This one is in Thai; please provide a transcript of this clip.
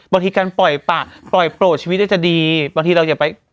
บางทีการปล่อยปะปล่อยโปรดชีวิตจะดีบางทีเราอย่าไป